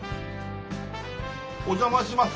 お邪魔します。